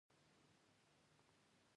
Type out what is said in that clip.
ډاکټر هم ورته خدای په امان او ښه شپه وويله.